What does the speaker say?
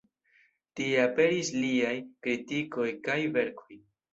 Tie aperis liaj kritikoj kaj verkoj.